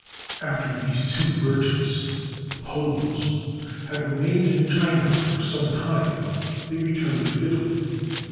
After these two merchants, the Polos, had remained in China for some time, they returned to Italy.